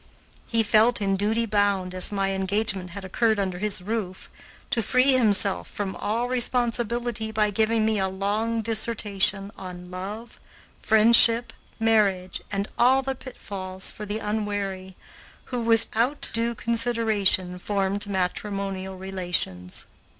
He felt in duty bound, as my engagement had occurred under his roof, to free himself from all responsibility by giving me a long dissertation on love, friendship, marriage, and all the pitfalls for the unwary, who, without due consideration, formed matrimonial relations.